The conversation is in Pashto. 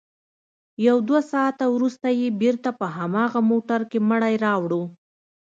يو دوه ساعته وروسته يې بېرته په هماغه موټر کښې مړى راوړ.